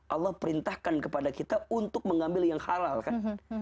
allah perintahkan kepada kita untuk mengambil yang halal kan